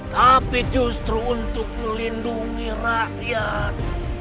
tapi justru untuk melindungi rakyat